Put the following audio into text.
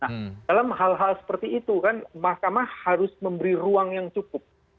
nah dalam hal hal seperti itu kan mahkamah harus memberi ruang yang cukup